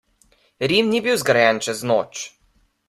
Rim ni bil zgrajen čez noč.